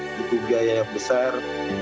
butuh biaya yang besar